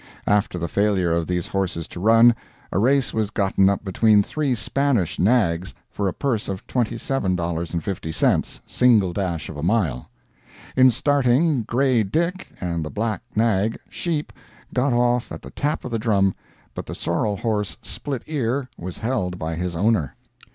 After the failure of these horses to run, a race was gotten up between three Spanish nags, for a purse of $27.50, single dash of a mile. In starting "Grey Dick" and the black nag, "Sheep," got off at the tap of the drum, but the sorrel horse "Split ear," was held by his owner.